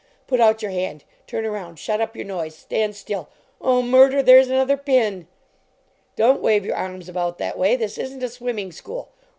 "Put out your hand! Turn around! Shut up your noise ! Stand still! Oh, mur der! There s another pin! " Don t wave your arms about that way! This isn t a swimming school.